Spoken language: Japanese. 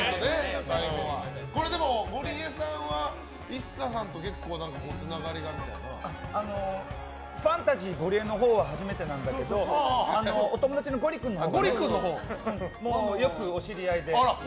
でも、ゴリエさんはＩＳＳＡさんと結構つながりがみたいな。ファンタジーゴリエのほうは初めてなんだけどお友達のゴリ君のほうはねよくお知り合いで。